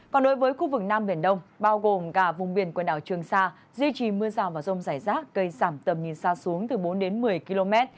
còn đối với khu vực nam biển đông bao gồm cả vùng biển quần đảo trường sa duy trì mưa rào và rông rải rác gây giảm tầm nhìn xa xuống từ bốn đến một mươi km